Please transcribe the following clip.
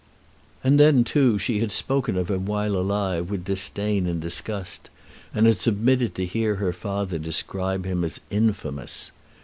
And then, too, she had spoken of him while alive with disdain and disgust, and had submitted to hear her father describe him as infamous.